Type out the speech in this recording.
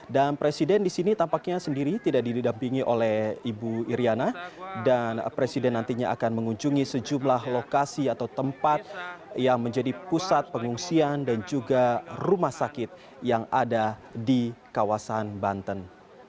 dan presiden di sini tampaknya sendiri tidak didampingi oleh ibu iryana dan presiden nantinya akan mengunjungi sejumlah lokasi atau tempat yang menjadi pusat pengungsian dan juga rumah sakit yang ada di kawasan banten